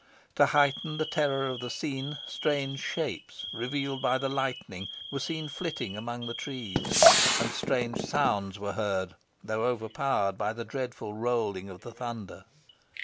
To heighten the terror of the scene, strange shapes, revealed by the lightning, were seen flitting among the trees, and strange sounds were heard, though overpowered by the dreadful rolling of the thunder.